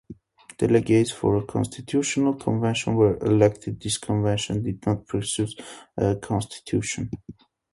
Delegates for a constitutional convention were elected; this convention did not produce a constitution.